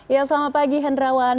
ya selamat pagi hendrawan